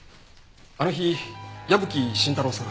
あの日矢吹伸太郎さん